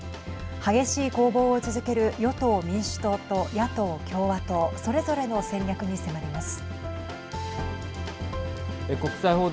激しい攻防を続ける与党・民主党と野党・共和党それぞれの戦略に迫ります。